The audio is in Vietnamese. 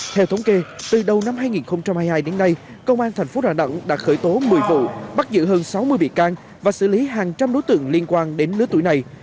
theo thống kê từ đầu năm hai nghìn hai mươi hai đến nay công an tp đà nẵng đã khởi tố một mươi vụ bắt giữ hơn sáu mươi bị can và xử lý hàng trăm đối tượng liên quan đến lứa tuổi này